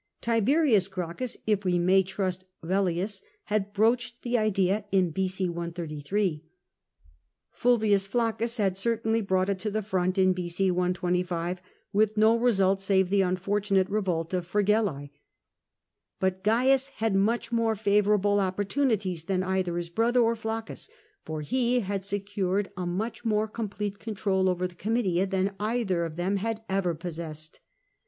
Tiberius Gracchus, if we may trust Velleius, had broached the idea in B.C. 133 * Pulvius Flaccus had certainly brought it to the front in B.O. 125, with no result save the unfortunate revolt of Fregell^. But Caius had much more favourable opportunities than either his brother or Flaccus, for he had secured a much more complete hold over the Oomitia than either of them had ever possessed.